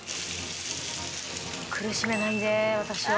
苦しめないで私を。